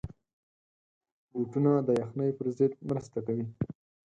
بوټونه د یخنۍ پر ضد مرسته کوي.